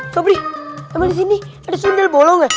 subli emang disini ada sundel bolong gak